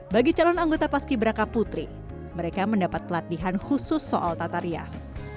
bagi calon anggota paski beraka putri mereka mendapat pelatihan khusus soal tata rias